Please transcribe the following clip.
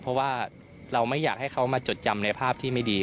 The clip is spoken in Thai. เพราะว่าเราไม่อยากให้เขามาจดจำในภาพที่ไม่ดี